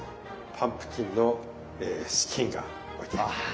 パンプキンのスキンが置いてあると。